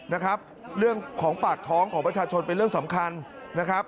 นะครับเรื่องของปากท้องของประชาชนเป็นเรื่องสำคัญนะครับ